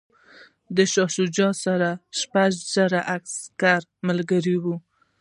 د شاه شجاع سره شپږ زره عسکر ملګري ول.